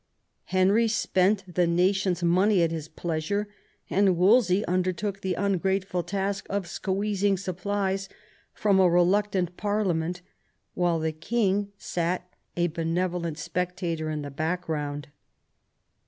Henry spent the nation's money at his pleasure, and Wolsey imdertook the ungrateful task of squeezing supplies from a reluctant Parliament, while the king sat a benevolent spectator in the background.